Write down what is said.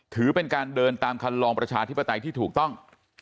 ถือเป็นการเดินตามคันลองประชาธิปไตยที่ถูกต้อง